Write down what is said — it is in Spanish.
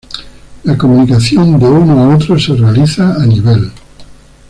La comunicación de uno a otro se realiza a nivel.